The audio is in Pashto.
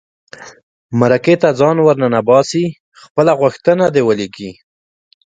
مرکې ته ځان ور ننباسي خپله غوښتنه دې ولیکي.